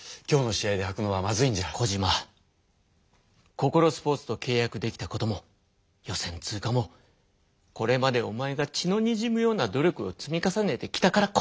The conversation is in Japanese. ココロスポーツとけい約できたことも予選通過もこれまでおまえが血のにじむような努力を積み重ねてきたからこそだ。